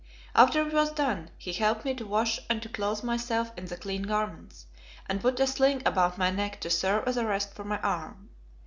After it was done he helped me to wash and to clothe myself in the clean garments, and put a sling about my neck to serve as a rest for my arm.